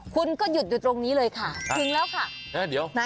ก็หยุดอยู่ตรงนี้เลยก็ถึงตรงนี้เลย